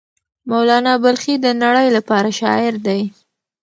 مولانا بلخي د نړۍ لپاره شاعر دی.